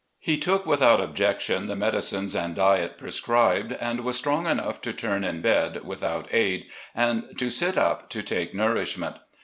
He took without objection the medicines and diet prescribed, and was strong enough to turn in bed without aid, and to sit up to take nourishment.